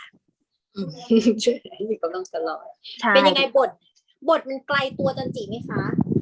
เป็นยังไงบทบทมันไกลตัวจันจิคิไม่คะ